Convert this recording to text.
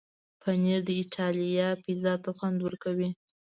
پنېر د ایټالیا پیزا ته خوند ورکوي.